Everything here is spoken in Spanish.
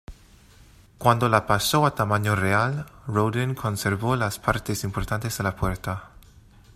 Cuando la pasó a tamaño real, Rodin conservó las partes importantes de La Puerta.